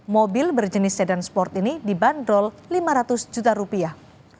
mobil berjenis sedan sport ini dibanderol lima ratus juta rupiah